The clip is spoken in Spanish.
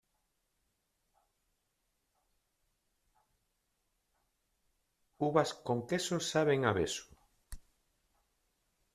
Uvas con queso saben a beso.